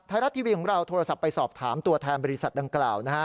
ไทยรัฐทีวีของเราโทรศัพท์ไปสอบถามตัวแทนบริษัทดังกล่าวนะฮะ